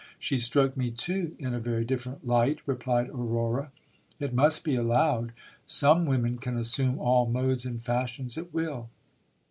She struck me too in a very different light, replied Aurora. It must be allowed some women can assume all modes and fashions at will.